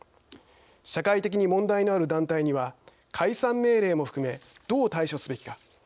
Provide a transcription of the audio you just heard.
社会的に問題のある団体には解散命令も含めどう対処すべきか。